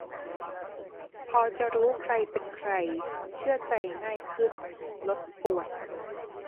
-พอจะรู้ใครเป็นใคร เชื่อใจง่ายขึ้น ลดป่วน